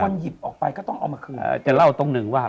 หยิบออกไปก็ต้องเอามาคืนจะเล่าตรงหนึ่งว่า